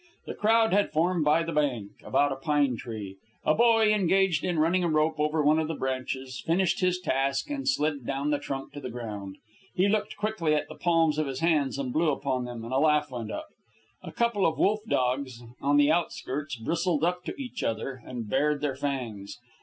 The crowd had formed by the bank, about a pine tree. A boy, engaged in running a rope over one of the branches, finished his task and slid down the trunk to the ground. He looked quickly at the palms of his hands and blew upon them, and a laugh went up. A couple of wolf dogs, on the outskirts, bristled up to each other and bared their fangs.